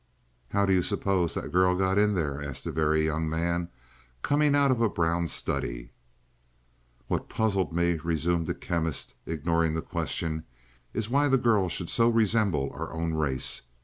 "How do you suppose that girl got in there?" asked the Very Young Man, coming out of a brown study. "What puzzled me," resumed the Chemist, ignoring the question, "is why the girl should so resemble our own race.